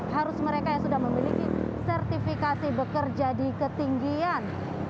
harus mereka yang sudah memiliki sertifikasi bekerja di ketinggian